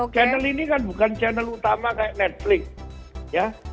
channel ini kan bukan channel utama kayak netflix ya